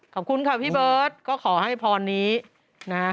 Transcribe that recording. ขอบคุณค่ะพี่เบิร์ตก็ขอให้พรนี้นะ